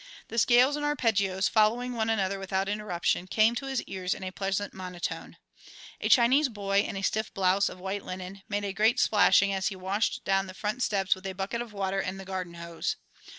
The scales and arpeggios following one another without interruption, came to his ears in a pleasant monotone. A Chinese "boy" in a stiff blouse of white linen, made a great splashing as he washed down the front steps with a bucket of water and the garden hose.